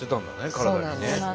体にね。